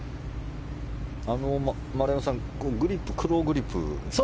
丸山さん、グリップクローグリップ。